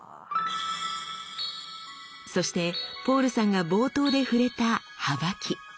そしてポールさんが冒頭で触れたはばき。